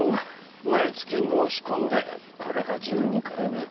毎月申し込んでこれが１２回目。